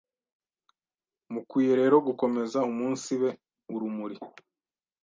mukwiye rero gukomeze umunsibe urumuri